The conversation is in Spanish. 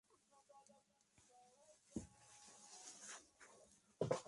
Tuvieron seis hijos, varios de los cuales se casaron con miembros de la nobleza.